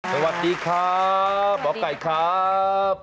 สวัสดีครับหมอไก่ครับ